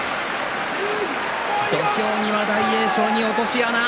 土俵際、大栄翔に落とし穴。